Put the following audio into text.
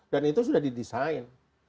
dan itu sudah didesain